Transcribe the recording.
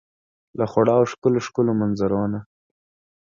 له خوړو او ښکلو ، ښکلو منظرو نه